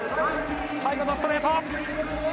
最後のストレート。